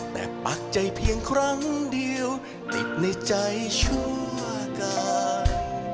แต่ปักใจเพียงครั้งเดียวติดในใจชั่วกาย